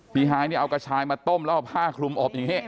ฮายนี่เอากระชายมาต้มแล้วเอาผ้าคลุมอบอย่างนี้